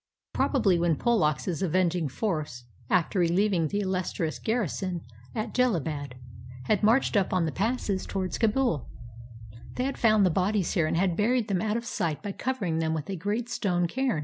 Probably when Pollock's avenging force, after relieving the " Illustrious Garrison " at Jellalabad, had marched on up the passes towards Kabul, they had found the bodies here and had buried them out of sight by covering them with a great stone caim.